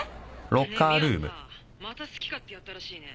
ねえミアさまた好き勝手やったらしいね。